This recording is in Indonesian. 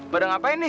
beda ngapain nih